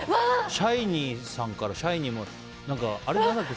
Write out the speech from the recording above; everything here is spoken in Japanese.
シャイニーさんからシャイニーをもらって。